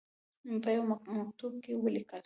په یوه مکتوب کې ولیکل.